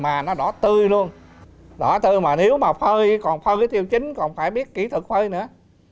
mà nó đỏ tươi luôn đỏ tươi mà nếu mà phơi còn phơi cái tiêu chính còn phải biết kỹ thuật phơi nữa